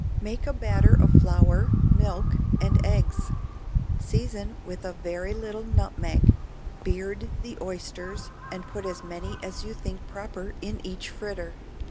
Make a batter of flour, milk, and eggs; season with a very little nutmeg. Beard the oysters, and put as many as you think proper in each fritter.